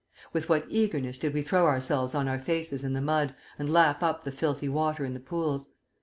With what eagerness did we throw ourselves on our faces in the mud, and lap up the filthy water in the pools!